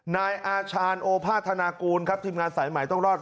นายอาชาญโอภาธนากูลครับทีมงานสายใหม่ต้องรอด